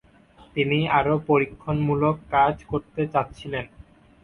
তিনি আরও পরীক্ষণমূলক কাজ করতে চাচ্ছিলেন।